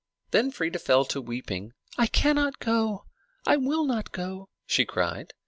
Then Freia fell to weeping. "I cannot go! I will not go!" she cried.